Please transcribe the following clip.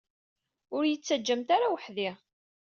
Ur d-iyi-ttaǧǧamt ara weḥd-i.